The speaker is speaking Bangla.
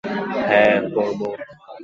হ্যাঁ, পরব।